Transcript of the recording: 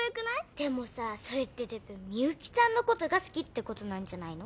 でもさそれってデブみゆきちゃんのことが好きってことなんじゃないの？